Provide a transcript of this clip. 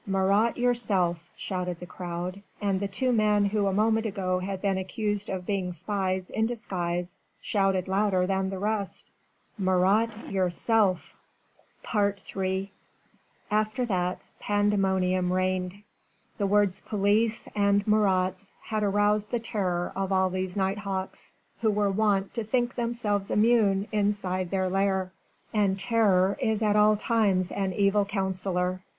"Marat yourself!" shouted the crowd, and the two men who a moment ago had been accused of being spies in disguise shouted louder than the rest: "Marat yourself!" III After that, pandemonium reigned. The words "police" and "Marats" had aroused the terror of all these night hawks, who were wont to think themselves immune inside their lair: and terror is at all times an evil counsellor.